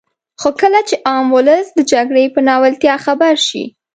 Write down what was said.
خو کله چې عام ولس د جګړې په ناولتیا خبر شي.